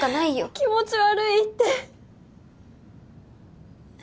気持ち悪いって。